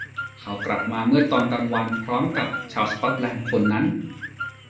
เขากลับมาเมื่อตอนกลางวันพร้อมกับชาวสก็อตแลนด์คนนั้น